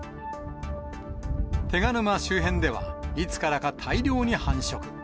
手賀沼周辺では、いつからか大量に繁殖。